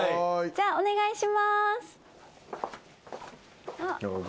じゃあお願いします。